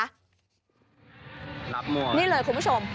รับหมดนี่เลยคุณผู้ชม